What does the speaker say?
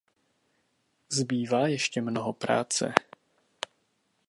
Zbývá ještě mnoho práce.